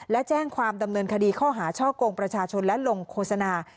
และแจ้งความดำเนินคดีข้อหาช่อกงประชาชนและลงโฆษณา